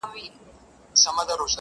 ما اورېدلي دې چي لمر هر گل ته رنگ ورکوي.